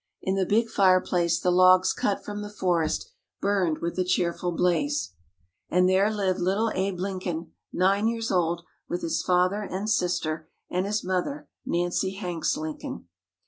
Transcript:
In the big fireplace, the logs cut from the forest, burned with a cheerful blaze. And there lived little Abe Lincoln, nine years old, with his father and sister and his mother, Nancy Hanks Lincoln.